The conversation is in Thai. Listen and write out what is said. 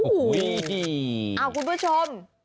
อู้วอ้าวคุณผู้ชม